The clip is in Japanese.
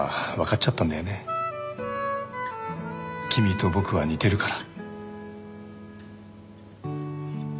君と僕は似てるから。